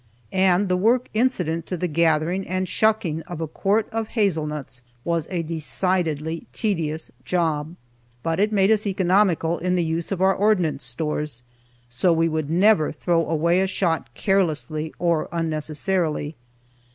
And the work incident to the gathering and shucking of a quart of hazel nuts was a decidedly tedious job. But it made us economical in the use of our ordnance stores, so we would never throw away a shot carelessly or unnecessarily.